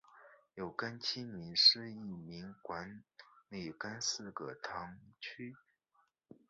由廿七名司铎名管理廿四个堂区。